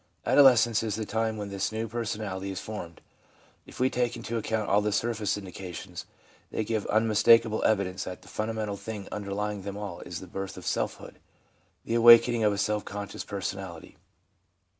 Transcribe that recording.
Adolescence is the time when this new personality is formed. If we take into account all the surface indica tions, they give unmistakable evidence that the funda mental thing underlying them all is the birth of selfhood, the awakening of a self conscious personality.